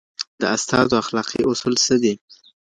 د استازو اخلاقي اصول څه دي؟